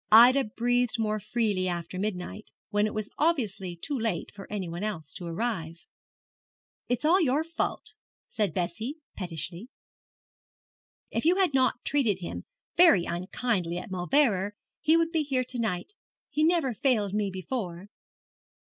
Ida breathed more freely after midnight, when it was obviously too late for any one else to arrive. 'It is your fault,' said Bessie, pettishly. 'If you had not treated him very unkindly at Mauleverer he would be here to night. He never failed me before.'